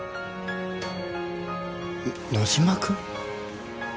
野島君？